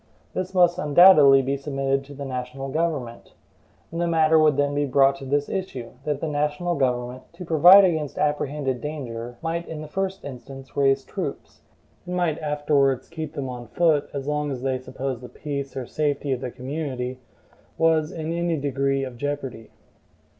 This must undoubtedly be submitted to the national government, and the matter would then be brought to this issue, that the national government, to provide against apprehended danger, might in the first instance raise troops, and might afterwards keep them on foot as long as they supposed the peace or safety of the community was in any degree of jeopardy.